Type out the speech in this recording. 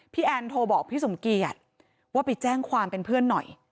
แอนโทรบอกพี่สมเกียจว่าไปแจ้งความเป็นเพื่อนหน่อย